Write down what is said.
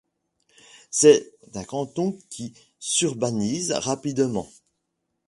C'est un canton qui s'urbanise rapidement.